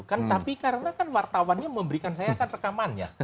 kan tapi karena kan wartawannya memberikan saya kan rekamannya